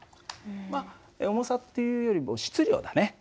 まっ重さっていうよりも質量だね。